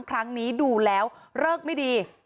ครั้งนี้ดูแล้วเลิกไม่ดี